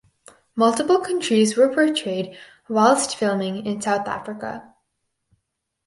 Multiple countries were portrayed whilst filming in South Africa.